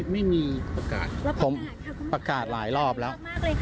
ไม่มีโอกาสผมประกาศหลายรอบแล้ว